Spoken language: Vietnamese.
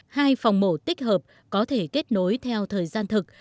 hai phòng mổ tích hợp có thể kết nối theo thời gian thực